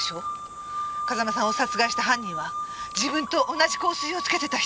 風間さんを殺した犯人は自分と同じ香水をつけてた人。